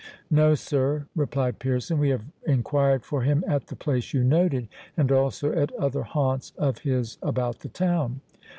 "No, sir," replied Pearson; "we have enquired for him at the place you noted, and also at other haunts of his about the town."